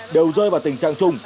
đều rơi vào tình trạng chung